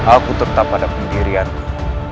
aku tetap pada pendirianmu